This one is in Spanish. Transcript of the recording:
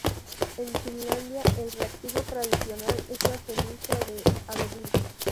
En Finlandia, el reactivo tradicional es la ceniza de abedul.